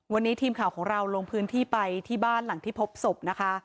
วันนี้ทีมข่าวของเราลงพื้นที่ไปที่บ้านหลังที่พบศพนะคะ